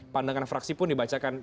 pandangan fraksi pun dibayangkan